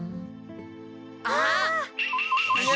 あっ！